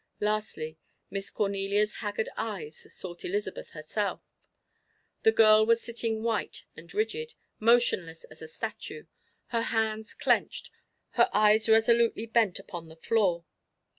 Lastly, Miss Cornelia's haggard eyes sought Elizabeth herself; the girl was sitting white and rigid, motionless as a statue, her hands clenched, her eyes resolutely bent upon the floor.